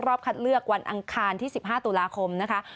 คัดเลือกวันอังคารที่๑๕ตุลาคมนะคะ